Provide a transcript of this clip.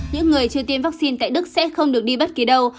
những người chưa tiêm vaccine tại đức sẽ không được đi bất kỳ đâu